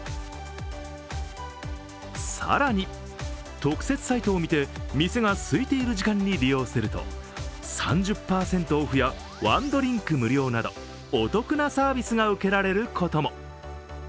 更に、特設サイトを見て店が空いている時間に利用すると３０％オフやワンドリンク無料などお得なサービスが受けられることも。